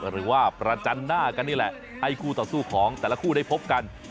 หรือว่าประจันหน้ากันนี่แหละให้คู่ต่อสู้ของแต่ละคู่ได้พบกัน